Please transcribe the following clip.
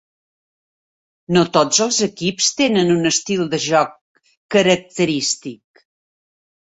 No tots els equips tenen un estil de joc característic.